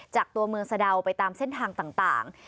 จากตัวเมืองสะดาวไปตามเส้นทางต่าง